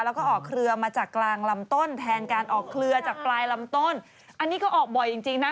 แล้วก็ออกเครือมาจากกลางลำต้นแทนการออกเครือจากปลายลำต้นอันนี้ก็ออกบ่อยจริงจริงนะ